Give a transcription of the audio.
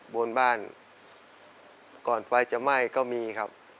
บนบ้านก่อนไฟจะไหม้ก็มีครับ